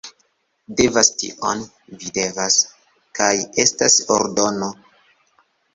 Devas tion... Vi devas. Kaj estas ordono.